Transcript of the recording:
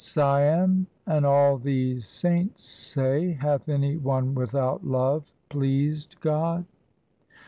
Siam 1 and all these saints say, hath any one without love pleased God